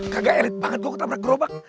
kagak elit banget gue ketabrak gerobak